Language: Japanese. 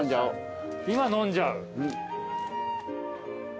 今飲んじゃう？